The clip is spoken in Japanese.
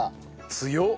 強っ！